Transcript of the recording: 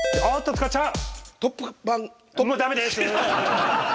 塚っちゃん。